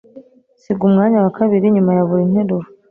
Siga umwanya wa kabiri nyuma ya buri nteruro.